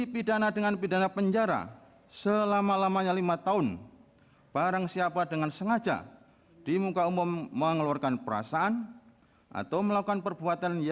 kepulauan seribu kepulauan seribu